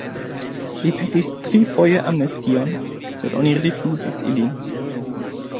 Li petis trifoje amnestion, sed oni rifuzis ilin.